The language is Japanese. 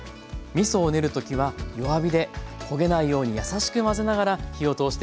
みそを練る時は弱火で焦げないように優しく混ぜながら火を通していきます。